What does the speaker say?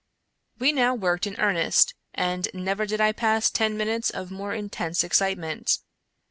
We now worked in earnest, and never did I pass ten minutes of more intense excitement.